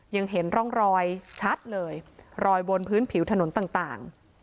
ยังเห็นร่องรอยชัดเลยรอยบนพื้นผิวถนนต่าง